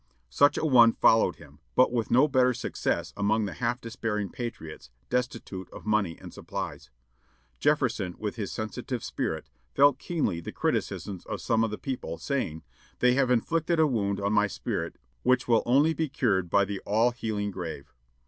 Such a one followed him, but with no better success among the half despairing patriots, destitute of money and supplies. Jefferson, with his sensitive spirit, felt keenly the criticisms of some of the people, saying, "They have inflicted a wound on my spirit which will only be cured by the all healing grave."